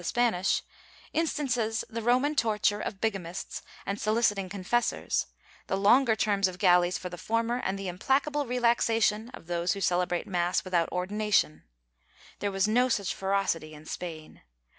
342 MISCELLANEO US B USINESS [Book VIII Spanish, instances the Roman torture of bigamists and soliciting confessors, the longer terms of galleys for the former, and the implacable relaxation of those who celebrate mass without ordi nation.^ There was no such ferocity in Spain.